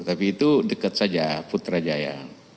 tapi itu dekat saja putrajaya